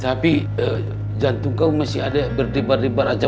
tapi jantung kamu masih ada berdebar debar aja